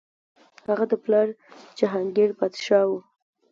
د هغه پلار جهانګیر پادشاه و.